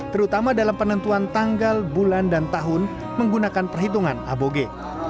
terutama dalam penentuan tanggal bulan dan tahun menggunakan perhitungan aboge